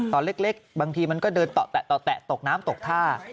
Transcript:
ตอนเล็กบางทีมันก็เดินต่อแตะตกน้ำตกท่า